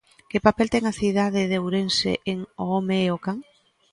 Que papel ten a cidade de Ourense en "O home e o can"?